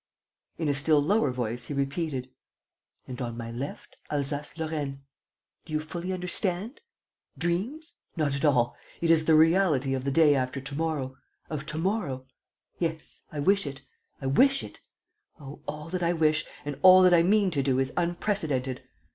In a still lower voice, he repeated: "And, on my left, Alsace Lorraine! ... Do you fully understand? ... Dreams? Not at all! It is the reality of the day after to morrow, of to morrow! ... Yes. ... I wish it. ... I wish it. ... Oh, all that I wish and all that I mean to do is unprecedented!